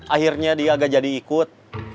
akhirnya dia agak jadi ikut